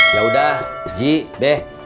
yaudah ji be